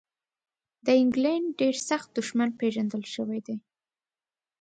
د انګلینډ ډېر سخت دښمن پېژندل شوی دی.